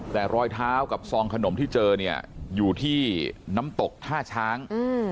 แต่รอยเท้ากับซองขนมที่เจอเนี่ยอยู่ที่น้ำตกท่าช้าง